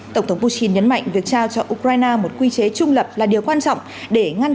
tổng thống putin nhấn mạnh việc trao cho ukraine một quy chế trung lập là điều quan trọng để ngăn